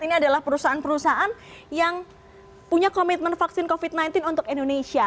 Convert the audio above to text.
ini adalah perusahaan perusahaan yang punya komitmen vaksin covid sembilan belas untuk indonesia